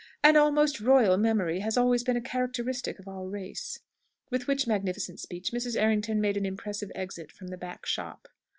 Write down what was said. An almost royal memory has always been a characteristic of our race." With which magnificent speech Mrs. Errington made an impressive exit from the back shop.